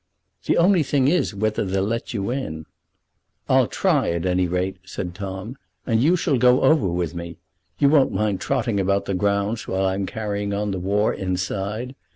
"The only thing is whether they'll let you in." "I'll try at any rate," said Tom, "and you shall go over with me. You won't mind trotting about the grounds while I'm carrying on the war inside?